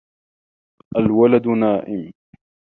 الْوَلَدُ نَائِمٌ.